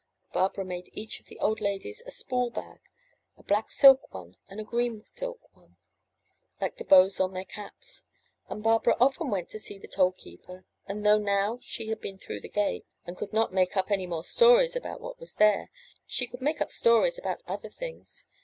Barbara made each of the old ladies a spool bag; a black silk one and a green silk one, like the bows on their caps. And Barbara often went to see the toll keeper, and though now she had been through the gate, and could not make up any more stories about what was there, she could make up stories about other things.